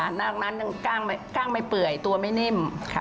ดังนั้นกล้างไม่เปื่อยตัวไม่นิ่มค่ะ